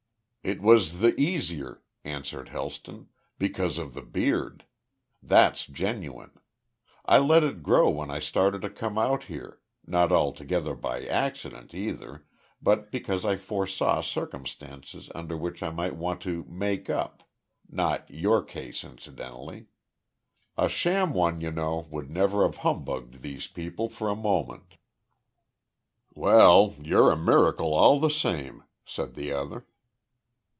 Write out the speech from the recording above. "It was the easier," answered Helston, "because of the beard. That's genuine. I let it grow when I started to come out here not altogether by accident either, but because I foresaw circumstances under which I might want to `make up' not your case, incidentally. A sham one you know, would never have humbugged these people for a moment." "Well, you're a miracle all the same," said the other.